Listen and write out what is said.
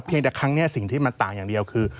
แต่ครั้งนี้สิ่งที่มันต่างอย่างเดียวคือ